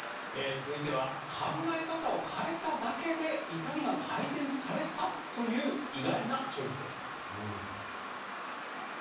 続いては考え方を変えただけで痛みが改善されたという意外なチョイスです。